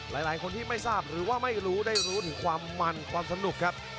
หลายคนที่ไม่ทราบหรือว่าไม่รู้ได้รู้ถึงความมันความสนุกครับ